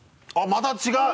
また違う。